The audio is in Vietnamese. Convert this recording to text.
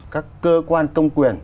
các cơ quan công quyền